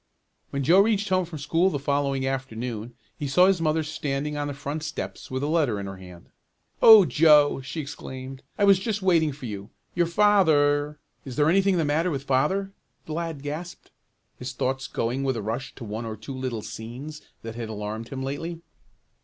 When Joe reached home from school the following afternoon he saw his mother standing on the front steps with a letter in her hand. "Oh, Joe!" she exclaimed, "I was just waiting for you. Your father " "Is there anything the matter with father?" the lad gasped, his thoughts going with a rush to one or two little scenes that had alarmed him lately.